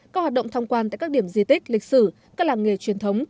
các hoạt động thăm quan tại các điểm di tích lịch sử các làng nghề truyền thống